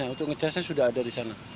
untuk nge charge nya sudah ada di sana